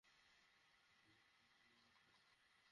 আমার মানসম্মান হুমকির মুখে!